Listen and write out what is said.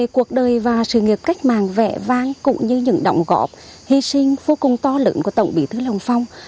cuộc đời và sự nghiệp cách mạng vẹ vang cũng như những động góp hy sinh vô cùng to lựng của tổng bí thư lê hồng phong